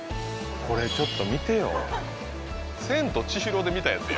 これちょっと見てよ